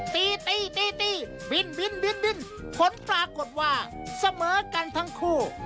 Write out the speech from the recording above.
ตีตีตีบินบินผลปรากฏว่าเสมอกันทั้งคู่